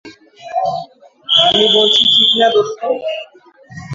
আমি বলছি, ঠিক না, দোস্ত?